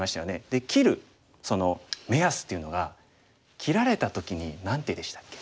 で切るその目安っていうのが切られた時に何手でしたっけ？